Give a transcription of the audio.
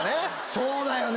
そうだよね！